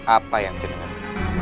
apa yang jenang